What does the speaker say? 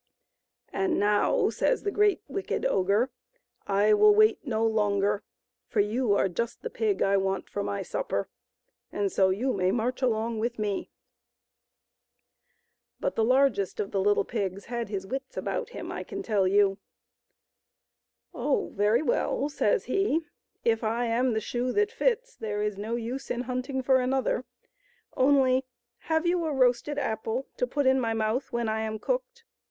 "And now," says the great, wicked ogre, "I will wait no longer, for you are just the pig I want for my supper, and so you may march along with me." But the largest of the little pigs had his wits about him, I can tell you. " Oh, very well," says he ;" if I am the shoe that fits there is no use in hunting for another ; only, have you a roasted apple to put in my mouth when I am cooked?